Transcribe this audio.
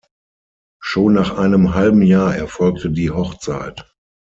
Schon nach einem halben Jahr erfolgte die Hochzeit.